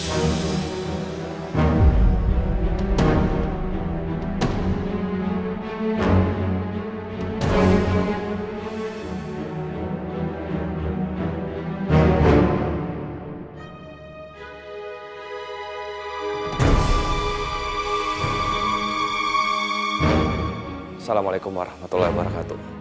assalamualaikum warahmatullah wabarakatuh